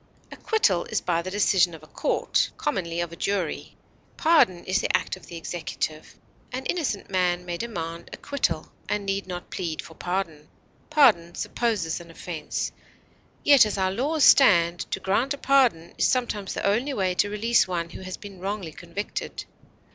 Acquittal is by the decision of a court, commonly of a jury; pardon is the act of the executive. An innocent man may demand acquittal, and need not plead for pardon. Pardon supposes an offense; yet, as our laws stand, to grant a pardon is sometimes the only way to release one who has been wrongly convicted.